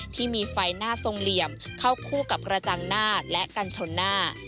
ที่มีไฟหน้าทรงเหลี่ยมเข้าคู่กับกระจังหน้าและกันชนหน้า